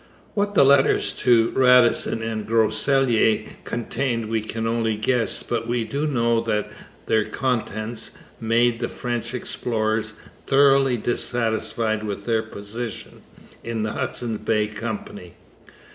What the letters to Radisson and Groseilliers contained we can only guess, but we do know that their contents, made the French explorers thoroughly dissatisfied with their position in the Hudson's Bay Company.